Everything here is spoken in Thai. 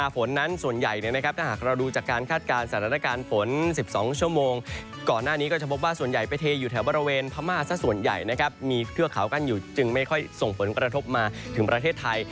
ฝนใหญ่นะครับมีเครือขาวกั้นอยู่จึงไม่ค่อยส่งฝนกระทบมาถึงประเทศไทย